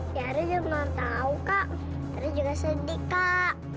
tiara juga gak tau kak tadi juga sedih kak